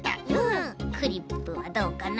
クリップはどうかな？